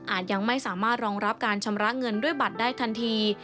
ยังไม่สามารถรองรับการชำระเงินด้วยบัตรได้ทันที